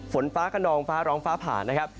ฝนฟ้าขนองฟ้าร้องฟ้าผ่านะครับ